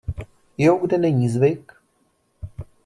Jo kde není zvyk…